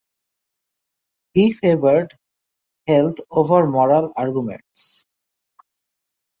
He favoured health over moral arguments.